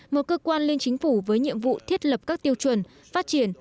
một cơ quan liên chính phủ với nhiệm vụ thiết lập các tiêu chuẩn phát triển